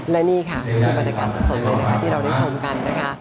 และนี่ค่ะคือบรรยากาศทั้งหมดเลยนะคะที่เราได้ชมกันนะคะ